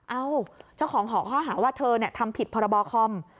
เอ้าเจ้าของหอเข้าหาว่าเธอเนี่ยทำผิดพรบคอม